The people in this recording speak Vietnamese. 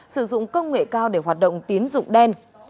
sử dụng công nghệ cao để hoạt động tiến dụng đen